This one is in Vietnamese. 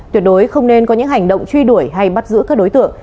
tuyệt đối không nên có những hành động truy đuổi hay bắt giữ các đối tượng